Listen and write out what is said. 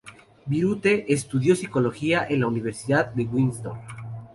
Virtue estudió psicología en la Universidad de Windsor.